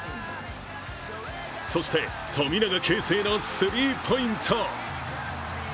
そして、富永啓生のスリーポイント。